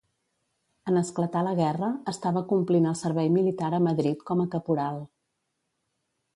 En esclatar la guerra estava complint el servei militar a Madrid com a caporal.